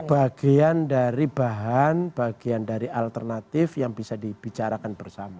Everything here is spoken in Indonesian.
bagian dari bahan bagian dari alternatif yang bisa dibicarakan bersama